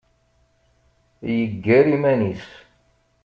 Yeggar iman-is.